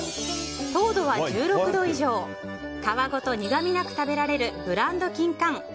糖度は１６度以上皮ごと苦みなく食べられるブランドキンカン